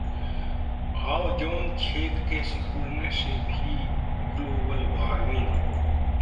ozone छेद के सिकुड़ने से भी ग्लोबल वॉर्मिंग